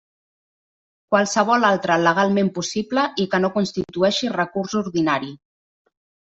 Qualsevol altre legalment possible i que no constitueixi recurs ordinari.